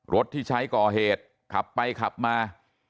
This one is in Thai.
รถที่ใช้ก่อเหตุขับไปขับมา